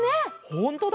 ほんとだ！